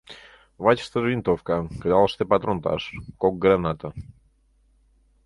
Вачыштыже винтовка, кыдалыште патронташ, кок граната.